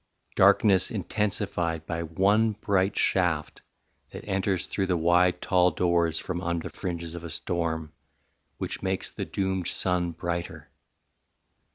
darkness intensified By one bright shaft that enters through the wide Tall doors from under fringes of a storm Which makes the doomed sun brighter.